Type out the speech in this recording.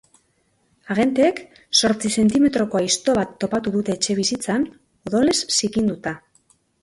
Agenteek zortzi zentimetroko aizto bat topatu dute etxebizitzan, odolez zikinduta.